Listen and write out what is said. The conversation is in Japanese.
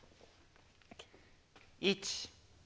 １。